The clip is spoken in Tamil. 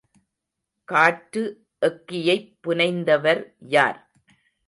காற்று எக்கியைப் புனைந்தவர் யார்?